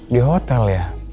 di hotel ya